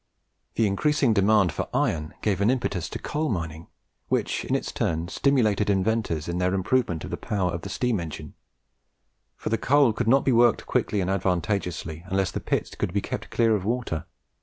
The increasing demand for iron gave an impetus to coal mining, which in its turn stimulated inventors in their improvement of the power of the steam engine; for the coal could not be worked quickly and advantageously unless the pits could be kept clear of water.